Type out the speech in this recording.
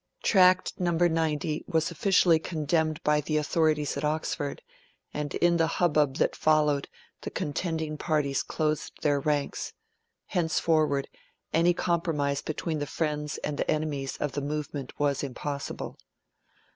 Tract No. 90 was officially condemned by the authorities at Oxford, and in the hubbub that followed, the contending parties closed their ranks; henceforward, any compromise between the friends and the enemies of the Movement was impossible.